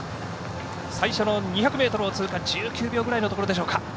最初の２００ｍを通過１９秒くらいでしょうか。